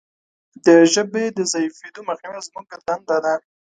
د ژبې د ضعیفیدو مخنیوی زموږ دنده ده.